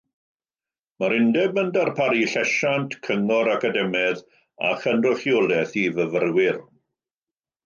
Mae'r Undeb yn darparu llesiant, cyngor academaidd a chynrychiolaeth i fyfyrwyr.